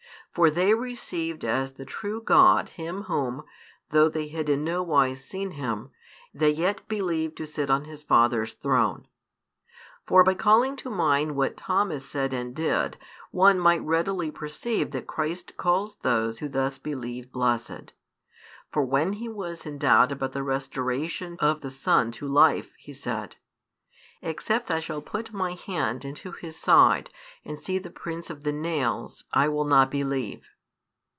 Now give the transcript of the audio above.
For they received as the true God Him Whom, though they had in nowise seen Him, they yet believed to sit on His Father's throne. For by calling to mind what Thomas said and did, one might readily perceive that Christ calls those who thus believe blessed. For when he was in doubt about the restoration of the Son to life, he said: Except I shall put my hand into His side, and see the prints of the nails, I will not believe.